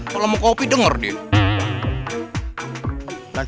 kalau mau kopi dengar dia